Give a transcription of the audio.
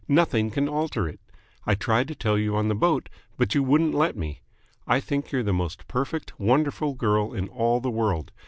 Nothing can alter it. I tried to tell you on the boat, but you wouldn't let me. I think you're the most perfect, wonderful girl in all the world.